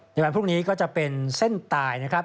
ในวันพรุ่งนี้ก็จะเป็นเส้นตายนะครับ